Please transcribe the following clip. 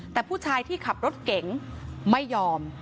แต่ผู้ชายที่ขับรถเก๋งไม่ยอม